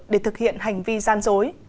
để thực hiện hành vi gian dối